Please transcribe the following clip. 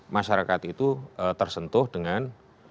masyarakat itu tersentuh dengan